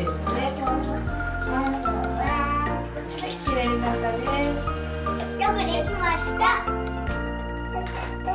よくできました！